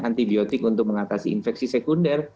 antibiotik untuk mengatasi infeksi sekunder